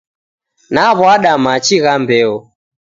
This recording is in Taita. Naw'ada machi gha mbeo.